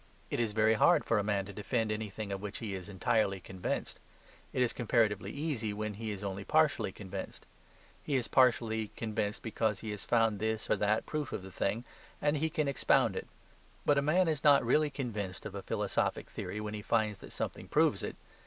It is very hard for a man to defend anything of which he is entirely convinced. It is comparatively easy when he is only partially convinced. He is partially convinced because he has found this or that proof of the thing, and he can expound it. But a man is not really convinced of a philosophic theory when he finds that something proves it.